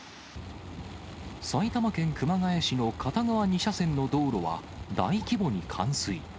埼玉県熊谷市の片側２車線の道路は、大規模に冠水。